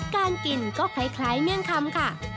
การกินก็คล้ายเมี่ยงคำค่ะ